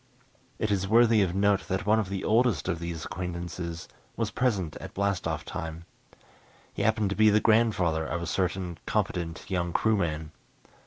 It is worthy of note that one of the oldest of these acquaintances was present at blast off time. He happened to be the grandfather of a certain competent young crewman.